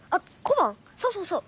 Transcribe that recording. そうそうそう。